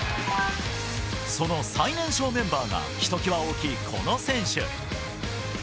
その最年少メンバーが、ひときわ大きいこの選手。